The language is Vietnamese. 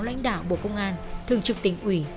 lãnh đạo bộ công an thường trực tình ủy